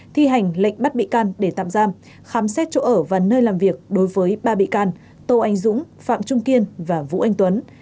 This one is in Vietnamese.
thi hành lệnh bắt bị can để tạm giam khám xét chỗ ở và nơi làm việc đối với ba bị can tô anh dũng phạm trung kiên và vũ anh tuấn